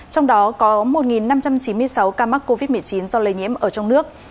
trong đó có một năm trăm chín mươi sáu ca mắc covid một mươi chín do lây nhiễm ở trong nước